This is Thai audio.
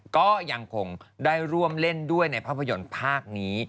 ก็ยังคงได้ร่วมเล่นด้วยในภาพยนตร์ภาคนี้